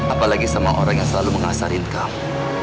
apalagi sama orang yang selalu mengasarkan kamu